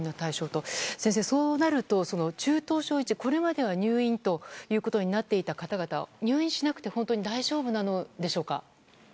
先生、そうなると中等症１はこれまでは入院ということになっていた方々入院しなくて大丈夫なのでしょうか。